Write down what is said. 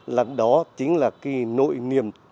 là đó chính là cái nội niềm